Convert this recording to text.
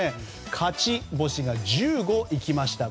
勝ち星が１５行きました。